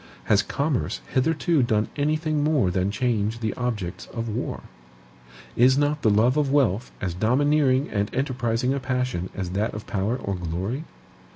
Has commerce hitherto done anything more than change the objects of war? Is not the love of wealth as domineering and enterprising a passion as that of power or glory?